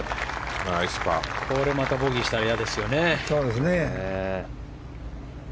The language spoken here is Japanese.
これでまたボギーしたら嫌ですね。